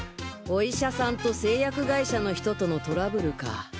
お医者さんと製薬会社の人とのトラブルか。